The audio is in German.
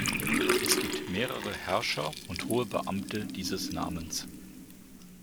Es gibt mehrere Herrscher und hohe Beamte dieses Namens.